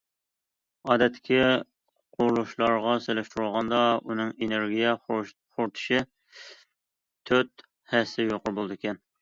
ئادەتتىكى قۇرۇلۇشلارغا سېلىشتۇرغاندا ئۇنىڭ ئېنېرگىيە خورىتىشى تۆت ھەسسە يۇقىرى بولىدىكەن.